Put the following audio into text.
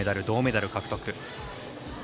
銅メダルを獲得。